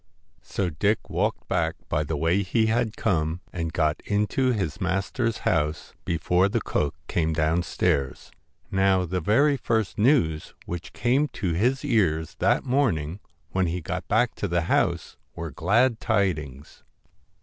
So Dick walked back by the way he had come, and got into his master's house before the cook came downstairs. Now, the very first news which came to his ears that morning when he got back to the house were glad tidings.